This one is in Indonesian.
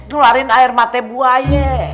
gelarin air mati buaya